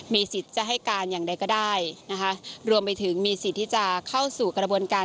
มีสิทธิ์จะให้การอย่างใดก็ได้นะคะรวมไปถึงมีสิทธิ์ที่จะเข้าสู่กระบวนการ